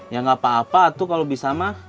ya nggak apa apa tuh kalau bisa mah